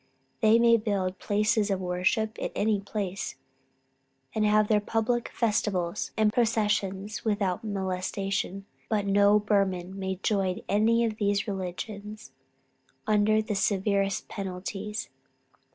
They may build places of worship in any place, and have their public festivals and processions without molestation. But no Burman may join any of these religions, under the severest penalties.